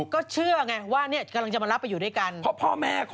เพราะเนี่ยเขาเรียกว่ามีพฤติกรรมแปลก